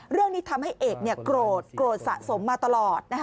เรื่องนี้ทำให้เอกโกรธโกรธสะสมมาตลอด